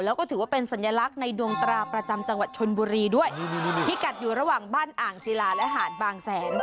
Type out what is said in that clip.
แล้วก็ถือว่าเป็นสัญลักษณ์ในดวงตราประจำจังหวัดชนบุรีด้วยพิกัดอยู่ระหว่างบ้านอ่างศิลาและหาดบางแสน